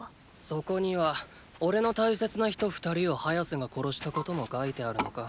そこにはおれの大切な人二人をハヤセが殺したことも書いてあるのか？